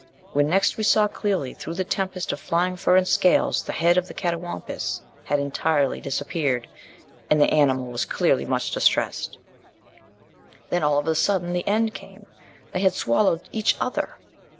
When next we saw clearly through the tempest of flying fur and scales, the head of the catawampuss had entirely disappeared, and the animal was clearly much distressed. Then, all of a sudden, the end came. _They had swallowed each other!